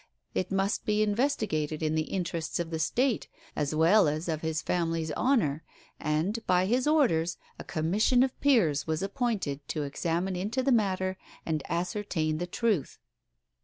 It must be investigated in the interests of the State, as well as of his family's honour; and, by his orders, a Commission of Peers was appointed to examine into the matter and ascertain the truth.